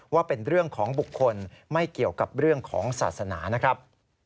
ว่าเป็นเรื่องของบุคคลไม่เกี่ยวกับเรื่องของศาสนานะครับ